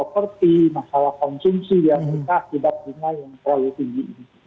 nah seperti masalah konsumsi di amerika tidak punya yang terlalu tinggi